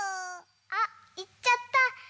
あいっちゃった。